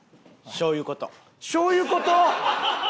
「しょうゆうこと」？